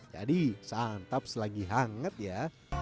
jadi santaps lagi hangat ya